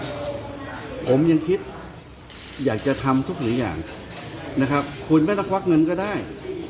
ผมยังคิดอยากจะทำทุกอย่างนะครับคุณไม่ต้องควักเงินก็ได้